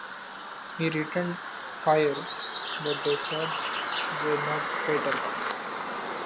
He returned fire, but the shots were not fatal.